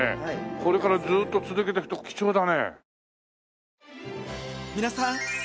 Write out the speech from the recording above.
これからずっと続けていくと貴重だね。